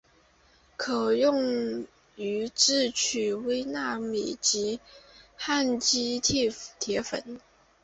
可用于制取微纳米级羰基铁粉。